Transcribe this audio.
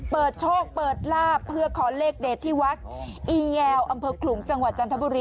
พอซึกษาข้อมูลก่อนการลงทุน